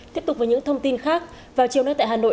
tiếp tục với những thông tin khác vào chiều nay tại hà nội